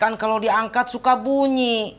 kan kalau diangkat suka bunyi